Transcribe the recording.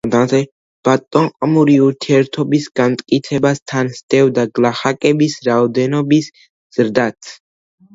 ბატონყმური ურთიერთობის განმტკიცებას თან სდევდა გლახაკების რაოდენობის ზრდაც.